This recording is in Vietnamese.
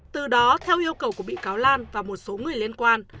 từ đó theo yêu cầu của bị cáo lan và một số người liên quan